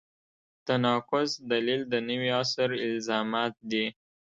تناقض دلیل د نوي عصر الزامات دي.